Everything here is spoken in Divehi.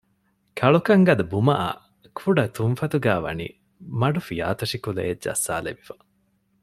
ކަޅުކަން ގަދަ ބުމައާއި ކުޑަ ކުޑަ ތުންފަތުގައި ވަނީ މަޑު ފިޔާތޮށި ކުލައެއް ޖައްސާލެވިފަ